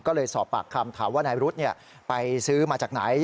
ก็เลยสอบปากคำถามว่านายรุธไปซื้อมาจากไหน